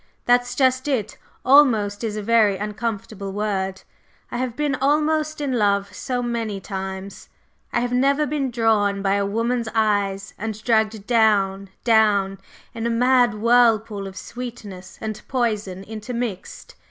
That's just it. 'Almost' is a very uncomfortable word. I have been almost in love so many times. I have never been drawn by a woman's eyes and dragged down, down, in a mad whirlpool of sweetness and poison intermixed.